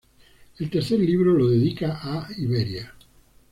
El tercer libro lo dedica a Iberia.